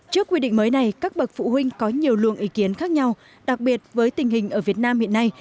trước quy định mới này các bậc phụ huynh có nhiều luồng ý kiến khác nhau đặc biệt với tình hình ở việt nam hiện nay